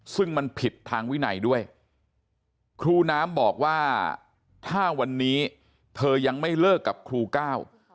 ซึ่งมันผิดทางวินัยด้วยครูน้ำบอกว่าถ้าวันนี้เธอยังไม่เลิกกับครูก้าว